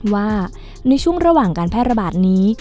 ว่าในช่วงระหว่างการแพร่ระบาดนี้